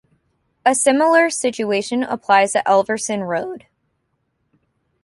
A similar situation applies at Elverson Road.